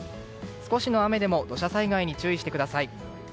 少しの雨でも土砂災害に注意してください。